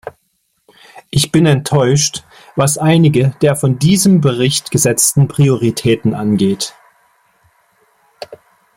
Ich bin enttäuscht, was einige der von diesem Bericht gesetzten Prioritäten angeht.